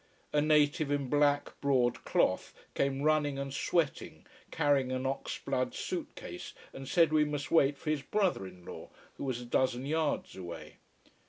A native in black broad cloth came running and sweating, carrying an ox blood suit case, and said we must wait for his brother in law, who was a dozen yards away.